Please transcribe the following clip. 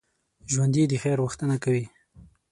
ژوندي د خیر غوښتنه کوي